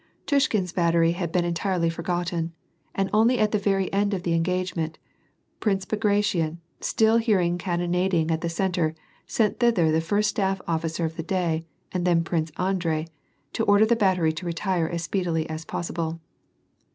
'^ Tushin's battery had been entirely forgotten, and only at the very end of the engagement, Prince Bagration, still hear ing cannonading at the centre, sent thither the first staff offi cer of the day, and then Prince Andrei, to order the battery to retire as speedily as possible.